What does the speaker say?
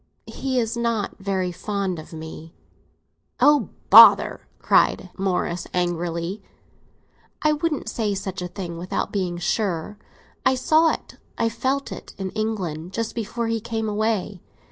"He is not very fond of me!" "Oh, bother!" cried Morris angrily. "I wouldn't say such a thing without being sure. I saw it, I felt it, in England, just before he came away.